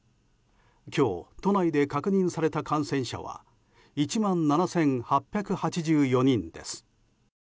今日、都内で確認された感染者は１万７８８４人です。